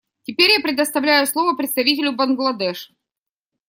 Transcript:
Теперь я предоставляю слово представителю Бангладеш.